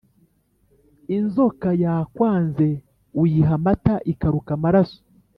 Inzoka yakwanze uyiha amata ikaruka amaraso.